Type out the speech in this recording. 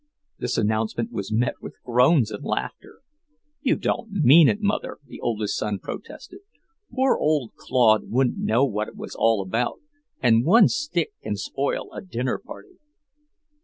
This announcement was met with groans and laughter. "You don't mean it, Mother," the oldest son protested. "Poor old Claude wouldn't know what it was all about, and one stick can spoil a dinner party."